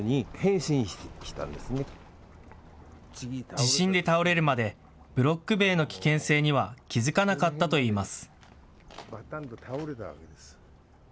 地震で倒れるまでブロック塀の危険性には気付かなかったといいます。